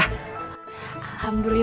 mudah mudahan rumahnya akan berjaya